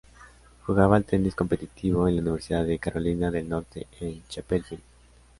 Jugaba al tenis competitivo en la Universidad de Carolina del Norte en Chapel Hill.